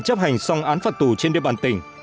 chấp hành xong án phạt tù trên địa bàn tỉnh